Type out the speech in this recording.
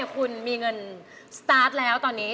คุณมีเงินสตาร์ทแล้วตอนนี้